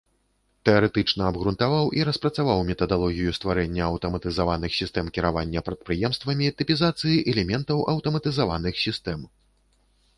Тэарэтычна абгрунтаваў і распрацаваў метадалогію стварэння аўтаматызаваных сістэм кіравання прадпрыемствамі, тыпізацыі элементаў аўтаматызаваных сістэм.